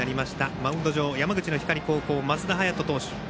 マウンド上、山口の光高校升田早人投手。